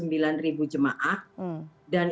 dan ini tentu menjadi tugas yang diperlukan